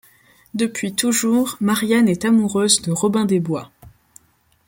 Depuis toujours, Marianne est amoureuse de Robin des Bois.